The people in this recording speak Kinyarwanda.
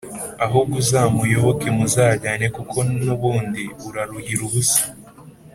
ahubwo uzamuyoboke muzajyane kuko nubundi uraruhira ubusa,